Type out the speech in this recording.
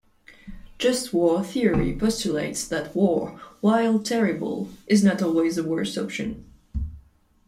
Just War theory postulates that war, while terrible, is not always the worst option.